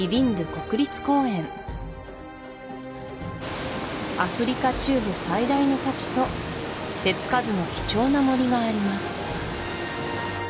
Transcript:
国立公園アフリカ中部最大の滝と手つかずの貴重な森があります